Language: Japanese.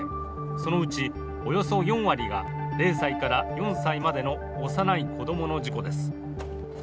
そのうちおよそ４割が０歳から４歳までの幼い子供の事故です。